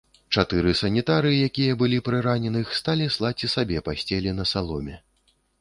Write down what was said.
Чатыры санітары, якія былі пры раненых, сталі слаць і сабе пасцелі на саломе.